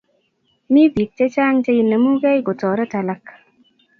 Mi piik chechang' cheinemukey kotoret alak